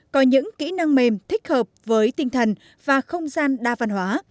có những kỹ năng mềm thích hợp với tinh thần và không gian đa văn hóa